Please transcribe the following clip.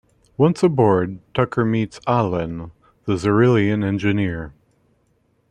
Once aboard, Tucker meets Ah'len, the Xyrillian engineer.